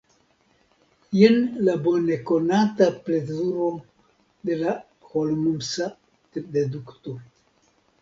Jen la bonekonata plezuro de la holmsa deduktado.